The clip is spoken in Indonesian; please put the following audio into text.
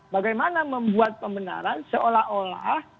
bagaimana membuat pembenaran seolah olah